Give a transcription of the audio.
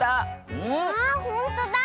あほんとだ！